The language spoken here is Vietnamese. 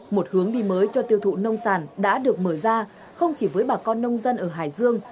một hướng đi mới cho tiêu thụ nông sản đã được mở ra không chỉ với bà con nông dân ở hải dương